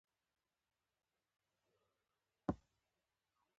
که مو له ښکلې ښځې سره واده وکړ.